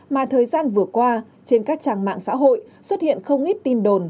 mà thời gian vừa qua trên các trang mạng xã hội xuất hiện không ít tin đồn